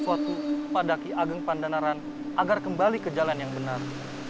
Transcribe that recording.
agar kembali ke jalan yang benar